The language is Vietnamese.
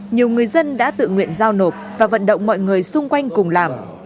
nhiều người dân đã tự nguyện giao nộp và vận động mọi người xung quanh cùng làm